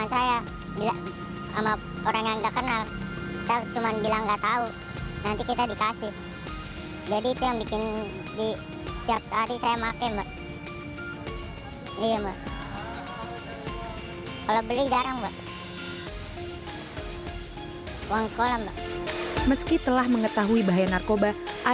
namun pengetahuan tersebut tidak menghalangi mereka untuk mencicipi narkoba